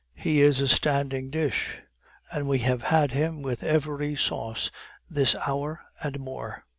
He is a standing dish, and we have had him with every sauce this hour or more.